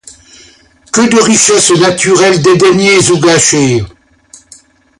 Que de richesses naturelles dédaignées ou gâchées!